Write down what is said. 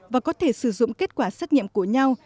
và có thể sử dụng kết quả xét nghiệm của nhau